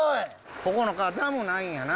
ここの川ダムないんやな。